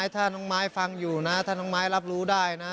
ถ้าน้องไม้ฟังอยู่นะถ้าน้องไม้รับรู้ได้นะ